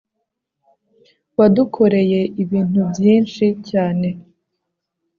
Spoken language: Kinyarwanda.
wadukoreye ibintu byinshi cyane